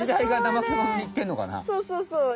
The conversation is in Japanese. そうそうそう。